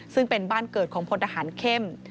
ซึ่งเป็นบ้านเกิดของพลทหารเข้ม